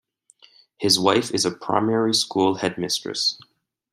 His wife is a primary school headmistress.